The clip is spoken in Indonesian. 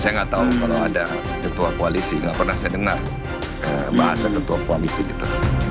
saya nggak tahu kalau ada ketua koalisi nggak pernah saya dengar bahasa ketua komisi itu